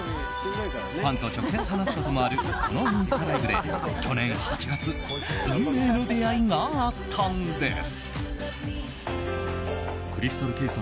ファンと直接、話すこともあるこのインスタライブで去年８月運命の出会いがあったんです。